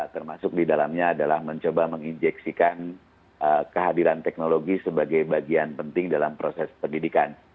termasuk di dalamnya adalah mencoba menginjeksikan kehadiran teknologi sebagai bagian penting dalam proses pendidikan